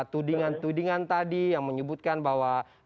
tudingan tudingan tadi yang menyebutkan bahwa